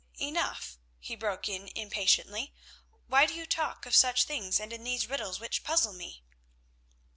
"Enough," he broke in impatiently. "Why do you talk of such things, and in these riddles which puzzle me?"